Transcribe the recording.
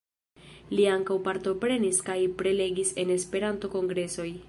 Li ankaŭ partoprenis kaj prelegis en Esperanto-kongresoj.